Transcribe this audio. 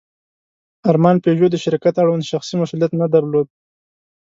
ارمان پيژو د شرکت اړوند شخصي مسوولیت نه درلود.